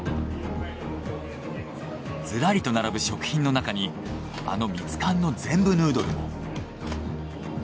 ずらりと並ぶ食品のなかにあのミツカンのゼンブヌードルも。